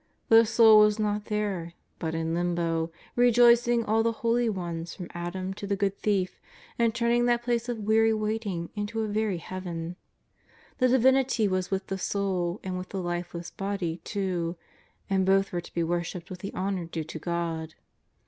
The Soul was not there but in Limbo, rejoicing all the holy ones from Adam to the good thief, and turning that place of weary waiting into a very Heaven. The Divinity was with the Soul and with the lifeless Body too, and both were to be worshipped with the honour due to God.